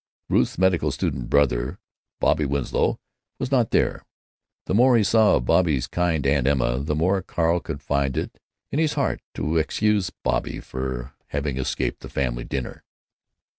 Ruth's medical student brother, Bobby Winslow, was not there. The more he saw of Bobby's kind Aunt Emma, the more Carl could find it in his heart to excuse Bobby for having escaped the family dinner.